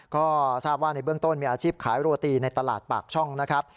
ก็ทราบว่าในเบื้องต้นมีอาชีพขายโรตีในตลาดปากช่องนะครับ